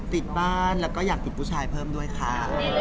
ติดบ้านแล้วก็อยากติดผู้ชายเพิ่มด้วยค่ะ